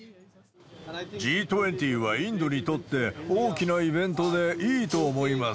Ｇ２０はインドにとって大きなイベントで、いいと思います。